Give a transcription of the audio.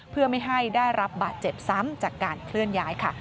เพื่อไม่ให้ได้รับบาดเจ็บซ้ำจากการเคลื่อนย้ายค่ะ